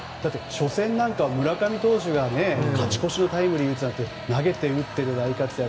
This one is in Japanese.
初戦なんか村上選手が勝ち越しのタイムリーを打って投げて打って大活躍